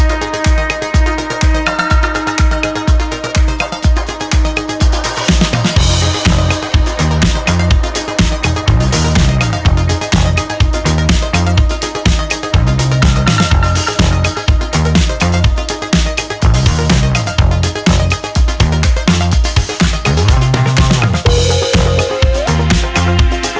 aku percaya padamu